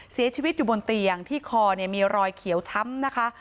เสียชีวิตอยู่บนเตียงที่คอเนี่ยมีรอยเขียวช้ำนะคะ